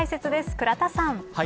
倉田さん。